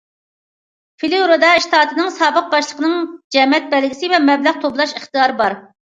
فىلورىدا ئىشتاتىنىڭ سابىق باشلىقىنىڭ جەمەت بەلگىسى ۋە مەبلەغ توپلاش ئىقتىدارى بار.